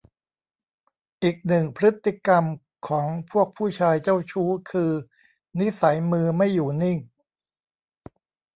อีกหนึ่งพฤติกรรมของพวกผู้ชายเจ้าชู้คือ นิสัยมือไม่อยู่นิ่ง